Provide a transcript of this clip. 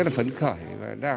nhà mình đang đi chơi ở đám đảo